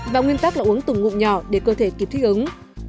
và nguyên tắc là uống tủng ngụm nhỏ để cơ thể kịp thích ứng